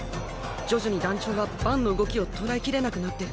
徐々に団長がバンの動きを捉えきれなくなってる。